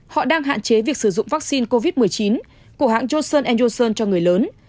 họ đang hạn chế việc sử dụng vaccine covid một mươi chín của hãng johnson en johnson cho người lớn